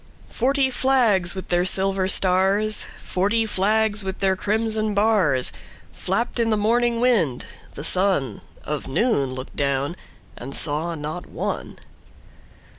Forty flags with their silver stars, Forty flags with their crimson bars, Flapped in the morning wind: the sunOf noon looked down, and saw not one.